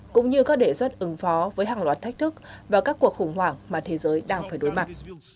cũng như các đề xuất ứng phó với hàng loạt thách thức và các cuộc khủng hoảng mà thế giới đang phải đối mặt